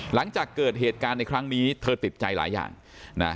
หลังจากเกิดเหตุการณ์ในครั้งนี้เธอติดใจหลายอย่างนะ